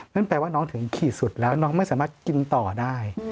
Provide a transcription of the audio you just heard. นั่นแปลว่าน้องถึงขีดสุดแล้วแล้วน้องไม่สามารถกินต่อได้